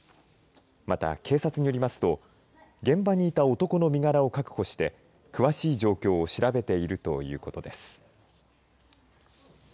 また警察によりますと現場にいた男の身柄を確保して詳しい状況を調べているということです。